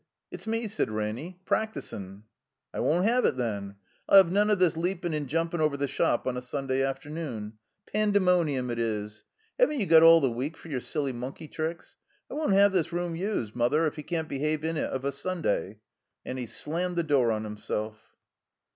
"It's me," said Ranny. "Practisin'." "I won't 'ave it then. I'll 'ave none of this leap in* and jimipin' over the shop on a Sunday after noon. Pandemonium it is. 'Aven't you got all 54 THE COMBINED MAZE the week for your silly monkey tricks? I'won't 'ave this room tised, Mother, if he can't behave himself in it of a Sunday." And he slanmied the door on himself.